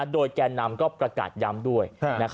โดยแกล็นนำก็ประกับยำด้วย